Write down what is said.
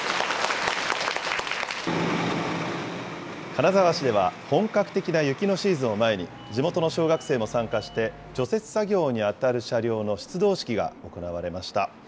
金沢市では、本格的な雪のシーズンを前に、地元の小学生も参加して、除雪作業に当たる車両の出動式が行われました。